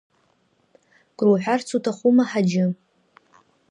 Круҳәарц уҭахума, Ҳаџьы?